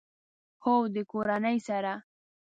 هو، د کورنۍ سره